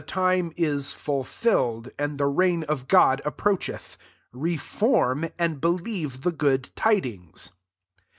time is fulfilled and the reign of God approacheth : reform, and believe the good tidings."